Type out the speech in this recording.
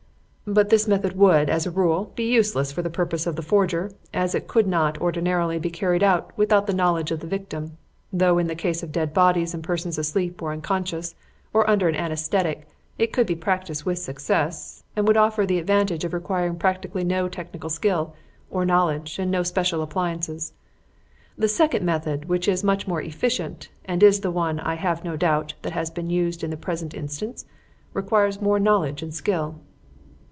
But this method would, as a rule, be useless for the purpose of the forger, as it could not, ordinarily, be carried out without the knowledge of the victim; though in the case of dead bodies and persons asleep or unconscious or under an anaesthetic, it could be practised with success, and would offer the advantage of requiring practically no technical skill or knowledge and no special appliances. The second method, which is much more efficient, and is the one, I have no doubt, that has been used in the present instance, requires more knowledge and skill.